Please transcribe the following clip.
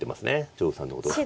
張栩さんのことは。